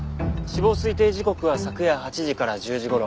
死亡推定時刻は昨夜８時から１０時頃。